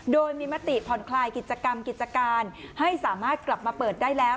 โดยมีมติผ่อนคลายกิจกรรมกิจการให้สามารถกลับมาเปิดได้แล้ว